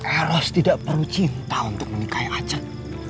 eros tidak perlu cinta untuk menikahi aceh